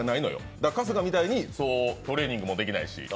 だから、春日みたいにトレーニングもできないし。